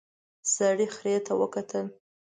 سړي خرې ته وکتل.